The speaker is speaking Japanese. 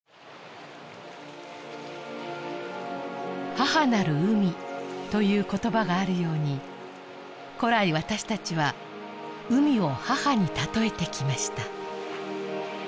“母なる海”という言葉があるように古来私たちは海を母に例えてきました